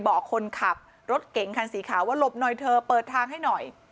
บอกคนขับรถเก่งคันสีขาวว่าหลบหน่อยเธอเปิดทางให้หน่อย